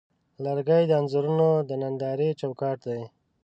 لرګی د انځورونو د نندارې چوکاټ دی.